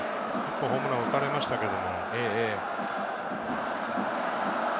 ホームランは打たれましたけれど。